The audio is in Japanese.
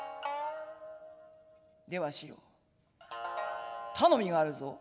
では白頼みがあるぞ」。